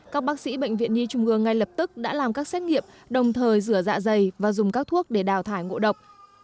các bác sĩ bệnh viện nhi trung ương ngay lập tức đã làm các xét nghiệm đồng thời rửa dạ dày và dùng các thuốc để đào thải ngộ độc